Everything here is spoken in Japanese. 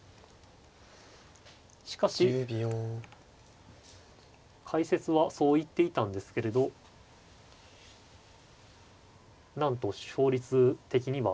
しかし解説はそう言っていたんですけれどなんと勝率的には。